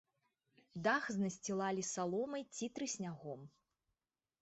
Дах насцілалі саломай ці трыснягом.